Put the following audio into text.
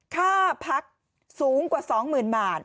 ค่าพักสูงกว่า๒๐๐๐บาท